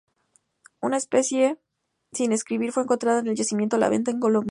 Una especie sin describir, fue encontrada en el yacimiento La Venta, en Colombia.